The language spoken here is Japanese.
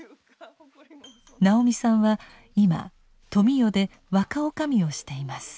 直美さんは今富美代で若女将をしています。